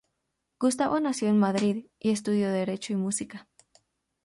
Gustavo nació en Madrid y estudió derecho y música.